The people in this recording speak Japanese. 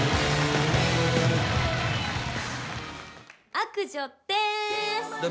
悪女でーす！